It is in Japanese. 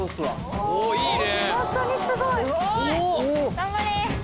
頑張れ！